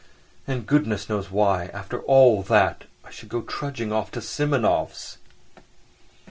And goodness knows why, after all that, I should go trudging off to Simonov's!